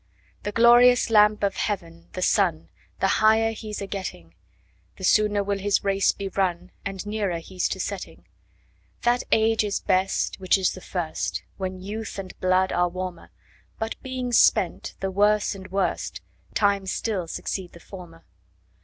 The glorious lamp of heaven, the sun, 5 The higher he 's a getting, The sooner will his race be run, And nearer he 's to setting. That age is best which is the first, When youth and blood are warmer; 10 But being spent, the worse, and worst Times still succeed the former.